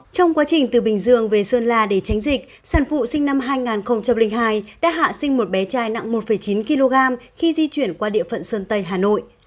trong quá trình từ bình dương về sơn la để tránh dịch sản phụ sinh năm hai nghìn hai đã hạ sinh một bé trai nặng một chín kg khi di chuyển qua địa phận sơn tây hà nội